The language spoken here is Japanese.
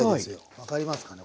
分かりますかね